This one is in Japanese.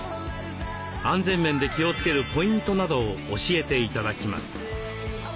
安全面で気をつけるポイントなどを教えて頂きます。